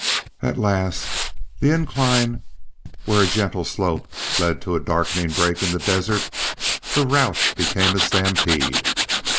At the last incline, where a gentle slope led down to a dark break in the desert, the rout became a stampede.